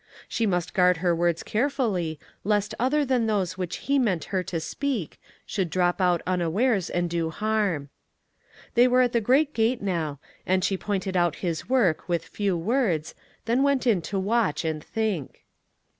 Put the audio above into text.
She must guard her words carefully, lest other than those which he meant her to speak should drop out unawares and do harm. They were at the great gate now, and she pointed out his work with few words, then went in to watch and think.